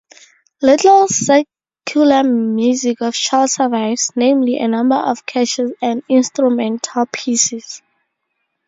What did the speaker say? Little secular music of Child survives, namely, a number of catches and instrumental pieces.